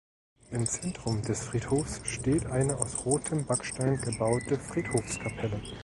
Im Zentrum des Friedhofs steht eine aus rotem Backstein gebaute Friedhofskapelle.